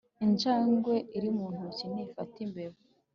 injangwe iri mu ntoki ntifata imbeba.